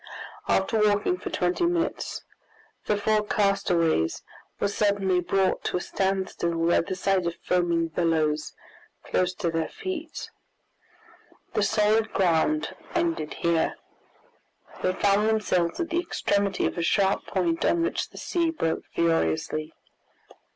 After walking for twenty minutes, the four castaways were suddenly brought to a standstill by the sight of foaming billows close to their feet. The solid ground ended here. They found themselves at the extremity of a sharp point on which the sea broke furiously.